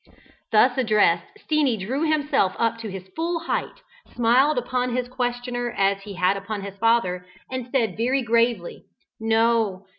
Thus addressed, Steenie drew himself up to his full height, smiled upon his questioner as he had upon his father, and said very gravely. "No.